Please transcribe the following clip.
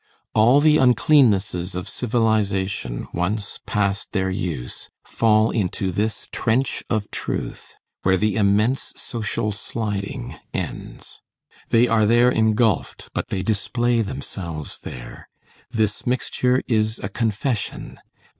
All the uncleannesses of civilization, once past their use, fall into this trench of truth, where the immense social sliding ends. They are there engulfed, but they display themselves there. This mixture is a confession.